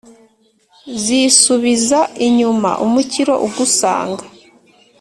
zisubiza inyuma umukiro ugusanga